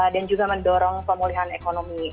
dan juga mendorong pemulihan ekonomi